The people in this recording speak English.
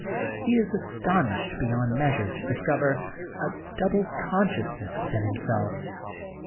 He is astonished beyond measure to discover a double consciousness within himself.